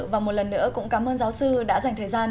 và một lần nữa cũng cảm ơn giáo sư đã dành thời gian